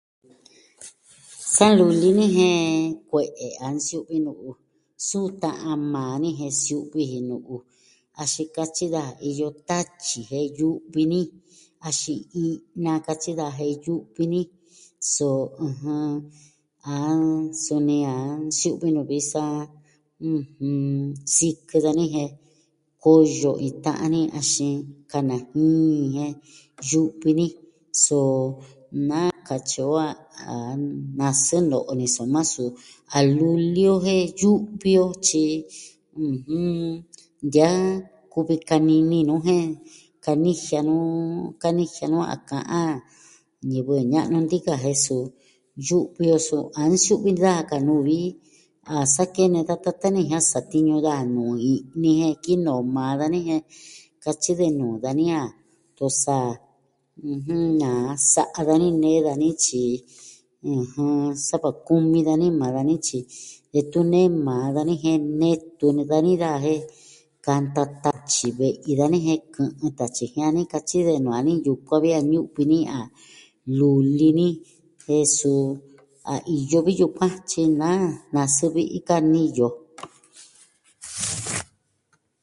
Sa luli ni jen kue'e a nsiu'vi nu'u. Suu ta'an maa ni jen siu'vi jin nu'u, axin katyi daja iyo tatyi jen yu'vi ni. Axin i'na katyi daja jen yu'vi ni, so, ɨjɨn, a suni a nsiu'vi nuvi sa, ɨjɨn, sikɨ dani jen koyo iin ta'an ni axin, kanajin jin jen, yu'vi ni, so naa katyi o a nasɨ no'o ni soma suu a luli o jen yu'vi o, tyi ɨjɨn, ntia'an kuvi kanini nu jen kanijia nu kanijia nu a ka'an ñivɨ ña'nu ntika jen suu yu'vi o so a nsiu'vi daja ka nuvi a sa kene da tata ni jia'an satiñu daja nuu i'ni jen kinoo maa dani jen, katyi de nuu dani a tosa, ɨjɨn na sa'a dani nee dani, tyi ɨjɨn, sa va kumi dani maa dani, tyi detun nee maa dani jen netu ni dani daja jen, kanta tatyi ve'i dani jen kɨ'ɨn tatyi, jia'an ni ka tyi de nuu dani, yukuan vi a ñu'vi ni a luli ni, jen suu a iyo vi yukuan tyi naa, na suu vi'i ka niyo.